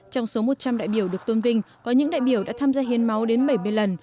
trong số một trăm linh đại biểu được tôn vinh có những đại biểu đã tham gia hiến máu đến bảy mươi lần